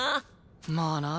まあな。